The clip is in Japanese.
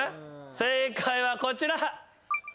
正解はこちら。